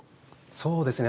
そうですね